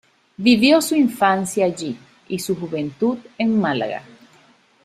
Vivió su infancia allí y su juventud en Málaga.